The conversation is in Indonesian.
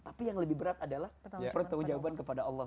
tapi yang lebih berat adalah pertanggung jawaban kepada allah